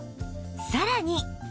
さらに